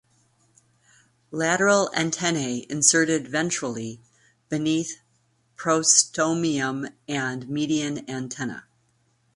Lateral antennae inserted ventrally (beneath prostomium and median antenna).